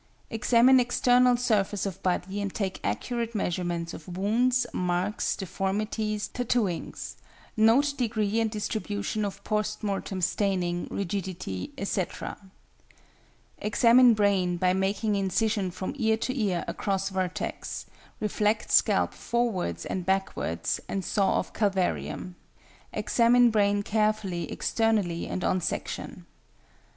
Examine external surface of body and take accurate measurements of wounds, marks, deformities, tattooings; note degree and distribution of post mortem staining, rigidity, etc. Examine brain by making incision from ear to ear across vertex, reflect scalp forwards and backwards, and saw off calvarium. Examine brain carefully externally and on section.